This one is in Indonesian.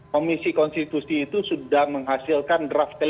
komisi konstitusi itu sudah menghasilkan draft ke lima